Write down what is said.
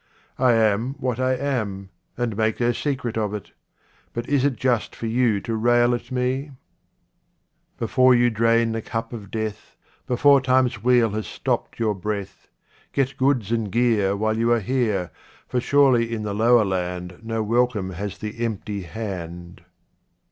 I am what I am, and make no secret of it ; but is it just for you to rail at me ? 82 QUATRAINS OF OMAR KHAYYAM Before you drain the cup of death, before time's wheel has stopped your breath, get goods and gear while you are here, for surely in the lower land no welcome has the empty hand.